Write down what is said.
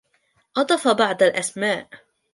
أضاف بعض الاسماء.